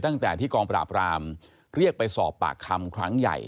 ตั้งแต่ที่กองปราบรามเรียกไปสอบปากคำครั้งใหญ่